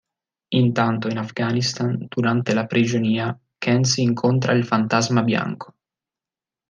Intanto in Afghanistan durante la prigionia Kensi incontra il fantasma bianco.